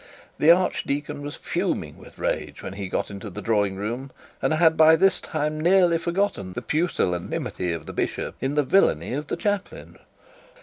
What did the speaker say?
The archdeacon was fuming with rage when he got into the drawing room, and had by this time nearly forgotten the pusillanimity of the bishop in the villainy of the chaplain.